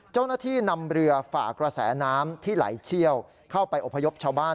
เจ้าหน้าที่นำเรือฝ่ากระแสน้ำที่ไหลเชี่ยวเข้าไปอพยพชาวบ้าน